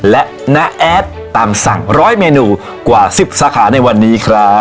และน้าแอดตามสั่ง๑๐๐เมนูกว่า๑๐สาขาในวันนี้ครับ